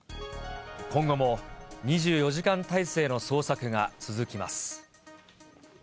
今後も２４時間態勢の捜索が続きます。